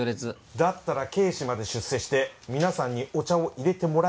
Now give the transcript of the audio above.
だったら警視まで出世して皆さんにお茶をいれてもらえるようになります。